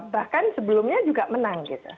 bahkan sebelumnya juga menang